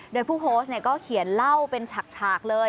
โดยผู้โพสต์ก็เขียนเล่าเป็นฉากเลย